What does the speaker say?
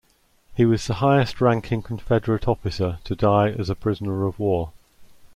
He was the highest ranking Confederate officer to die as a prisoner of war.